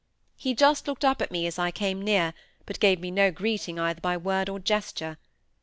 He just looked up at me as I came near, but gave me no greeting either by word or gesture.